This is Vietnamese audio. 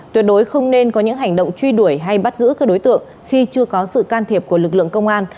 tuyệt đối không nên có những hành động truy đuổi hay bắt giữ các đối tượng khi chưa có sự can thiệp của lực lượng công an